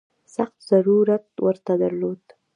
سخت ضرورت ورته درلود.